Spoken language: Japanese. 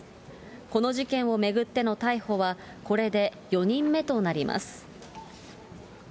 この事件を巡っての逮捕はこれで４人目となります。